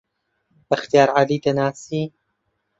بەختیار عەلی دەناسی؟